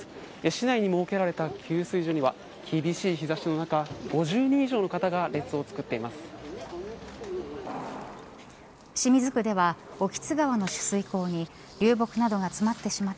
市内に設けられた給水所には厳しい日差しの中５０人以上の方が列を作っています。